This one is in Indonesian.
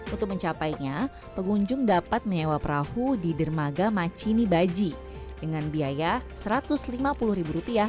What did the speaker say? untuk mencapainya pengunjung dapat menyewa perahu di dermaga macinibaji dengan biaya satu ratus lima puluh rupiah